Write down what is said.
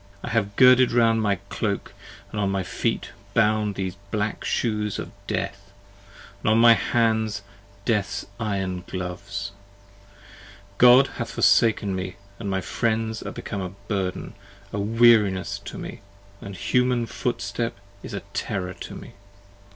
I have girded round my cloke, and on my feet Bound these black shoes of death, & on my hands, death's iron gloves. God hath forsaken me, & my friends are become a burden, A weariness to me, & the human footstep is a terror to me.